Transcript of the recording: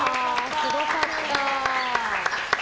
すごかった。